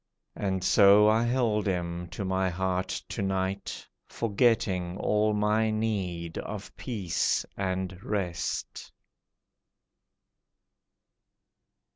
And so I held him to my heart to night, Forgetting all my need of peace and rest.